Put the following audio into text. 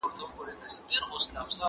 ¬ هندو چي بېکاره سي، خپلي خوټي تلي.